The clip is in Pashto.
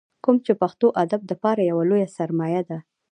کوم چې پښتو ادب دپاره يوه لويه سرمايه ده ۔